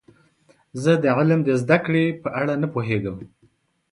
زه د علم د زده کړې په اړه نه پوهیږم.